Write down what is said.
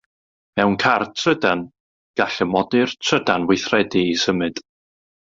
Mewn car trydan, gall y modur trydan weithredu i symud.